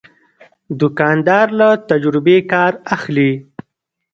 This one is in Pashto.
دوکاندار له تجربې کار اخلي.